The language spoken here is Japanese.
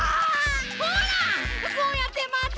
ほらそうやってまた！